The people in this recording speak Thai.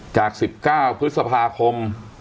จาก๑๙พฤษภาคม